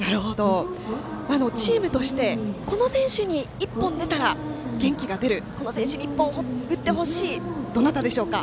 チームとしてこの選手に一本出たら元気が出る、この選手に一本打ってほしいどなたでしょうか？